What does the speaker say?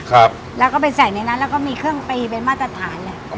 ครับแล้วก็ไปใส่ในนั้นแล้วก็มีเครื่องตีเป็นมาตรฐานเนี้ย